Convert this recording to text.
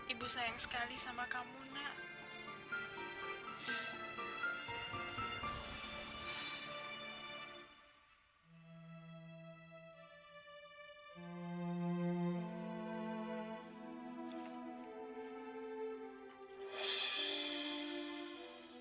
ibu sayang sekali sama kamu nak